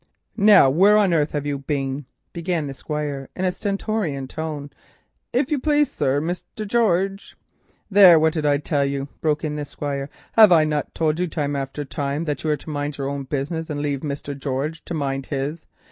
"Now, where on earth have you been?" began the Squire, in a stentorian tone. "If you please, sir, Mr. George——" "There, what did I tell you?" broke in the Squire. "Have I not told you time after time that you are to mind your own business, and leave 'Mr. George' to mind his?